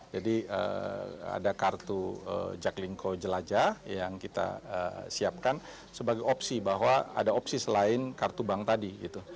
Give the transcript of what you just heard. jadi ada kartu jaklingko jelajah yang kita siapkan sebagai opsi bahwa ada opsi selain kartu bank tadi gitu